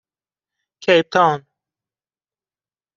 کیپ تاون